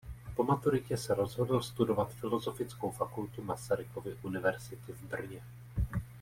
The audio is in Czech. Po maturitě se rozhodl studovat filozofickou fakultu Masarykovy univerzity v Brně.